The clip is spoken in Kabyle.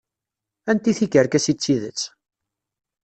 Anti tikerkas i d tidet?